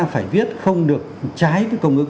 phải viết không được trái với công nghiệp